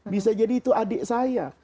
bisa jadi itu adik saya